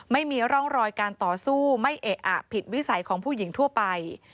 ไม่มีร่องรอยการต่อสู้ไม่เอะอะผิดวิสัยของผู้หญิงทั่วไป